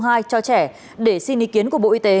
hai bốn một và một hai ba hai cho trẻ để xin ý kiến của bộ y tế